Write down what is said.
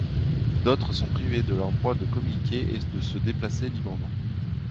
D'autres sont privés de leurs droits de communiquer et de se déplacer librement.